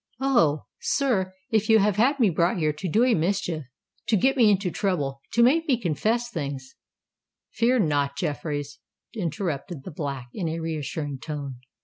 Oh! sir—if you have had me brought here to do me a mischief—to get me into trouble—to make me confess things—" "Fear not, Jeffreys!" interrupted the Black, in a reassuring tone.